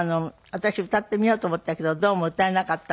私歌ってみようと思ったけどどうも歌えなかったっていう。